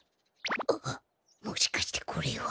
あっもしかしてこれは。